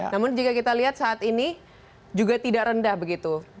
namun jika kita lihat saat ini juga tidak rendah begitu